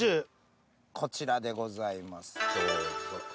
こちらでございますどうぞ。